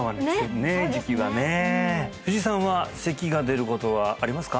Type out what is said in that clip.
うん藤井さんは咳が出ることはありますか？